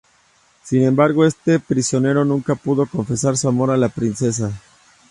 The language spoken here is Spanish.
Sin embargo, este prisionero nunca pudo confesar su amor a la princesa.